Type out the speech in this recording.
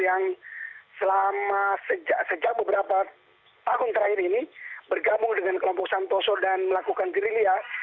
yang selama sejak beberapa tahun terakhir ini bergabung dengan kelompok santoso dan melakukan gerilya